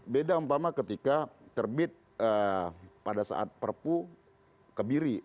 beda umpama ketika terbit pada saat perpu kebiri